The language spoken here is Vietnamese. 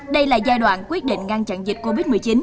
đây là giai đoạn quyết định ngăn chặn dịch covid một mươi chín